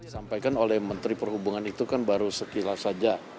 sampaikan oleh menteri perhubungan itu kan baru sekilas saja